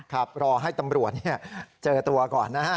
รอให้ตำรวจเจอตัวก่อนนะฮะ